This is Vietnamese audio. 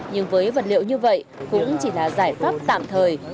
nhưng với vật liệu như vậy cũng chỉ là giải pháp tạm thời